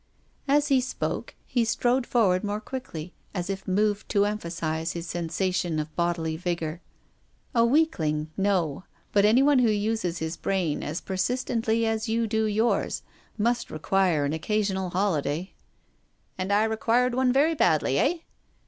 As he spoke he strode forward more quickly^ as if moved to emphasise his sensation of bodily vigour. " A weakling — no. But anyone who uses his brain as persistently as you do yours must re quire an occasional holiday," " And I required one very badly, eh